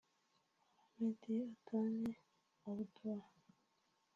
Mohamed Adan Abdow